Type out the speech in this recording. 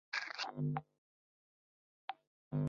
在多株反应中制造的抗体称为多株抗体。